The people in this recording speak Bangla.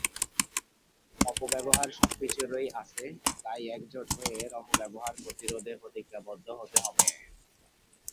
অপব্যবহার সবকিছুরই আছে, তাই একজোট হয়ে এর অপব্যবহার প্রতিরোধে প্রতিজ্ঞাবদ্ধ হতে হবে।